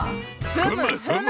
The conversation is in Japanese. ふむふむ！